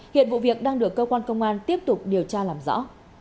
hiện vụ việc đang được cơ quan công an tiếp tục điều tra làm rõ